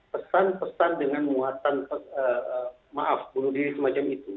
pesan pesan dengan muatan maaf bunuh diri semacam itu